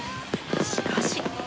しかし。